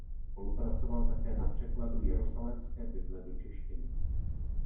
Spolupracoval také na překladu Jeruzalémské bible do češtiny.